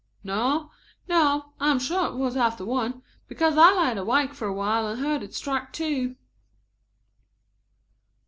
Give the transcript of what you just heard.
"No, I am sure it was after one, because I laid awake for a while and heard it strike two."